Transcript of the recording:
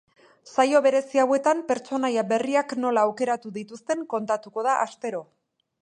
Saio berezi hauetan pertsonaia berriak nola aukeratu dituzten kontatuko da astero.